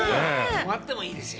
泊まってもいいですよ。